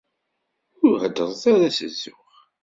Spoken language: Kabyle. Ur heddret ara s zzux!